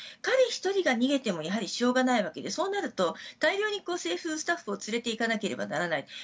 彼１人が逃げてもしょうがないわけでそうなると大量に政府スタッフを連れて行かなければならない。